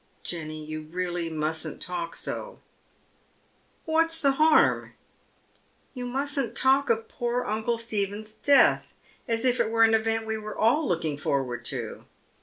" Jenny, you really mustn't talk so." "What's the harm?" You mustn't talk of poor uncle Stephen's death as if it were an event we were all looking forward to."